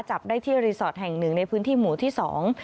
จับได้ที่รีสอร์ทแห่งหนึ่งในพื้นที่หมู่ที่สอง